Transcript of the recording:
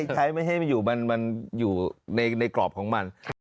ใช้ไม่ให้มันอยู่ในกรอบของมัน